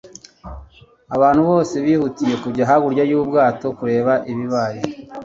abantu bose bihutiye kujya hakurya y'ubwato kureba ibibaye